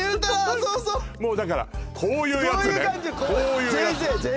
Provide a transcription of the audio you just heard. そうそうもうだからこういうやつね